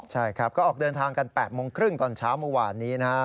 ใช่ครับก็ออกเดินทางกัน๘โมงครึ่งตอนเช้าเมื่อวานนี้นะครับ